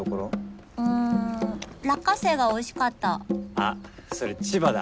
あっそれ千葉だ。